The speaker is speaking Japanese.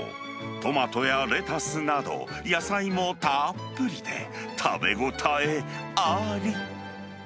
トマトやレタスなど、野菜もたっぷりで食べ応えあり。